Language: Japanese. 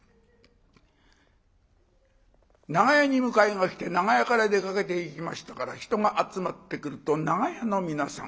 長屋に迎えが来て長屋から出かけていきましたから人が集まってくると「長屋の皆さん」。